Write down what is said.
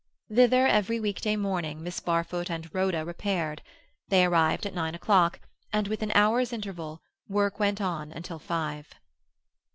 Thither every weekday morning Miss Barfoot and Rhoda repaired; they arrived at nine o'clock, and with an hour's interval work went on until five.